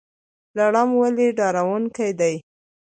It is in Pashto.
لړم ولې ډارونکی دی؟